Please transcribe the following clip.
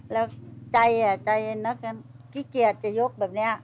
แล้วใจใจขี้เกียจจะยกแบบนี้